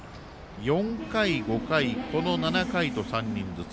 ４回、５回、この７回と３人ずつ。